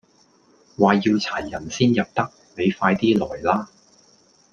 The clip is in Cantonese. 話要齊人先入得，你快 D 來啦